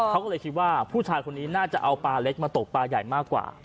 เขาก็เลยคิดว่าผู้ชายคนนี้น่าจะเอาปลาเล็กมาตกปลาใหญ่มากกว่า